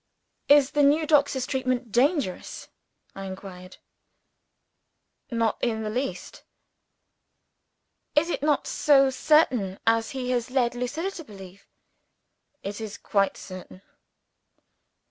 "Is the new doctor's treatment dangerous?" I inquired. "Not in the least." "Is it not so certain as he has led Lucilla to believe?" "It is quite certain.